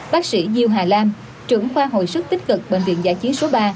bác sĩ diêu hà lam trưởng khoa hội sức tích cực bệnh viện giải chiến số ba